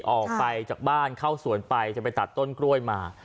ออกไปจากบ้านเข้าสวนไปจะไปตัดต้นกล้วยมา